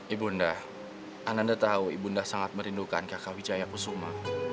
ibu nda ananda tahu ibu nda sangat merindukan kakak wijaya kusuma